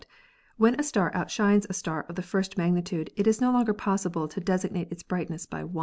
i Orange * When a star outshines a star of the first magnitude it is no longer pos sible to designate its brightness by i.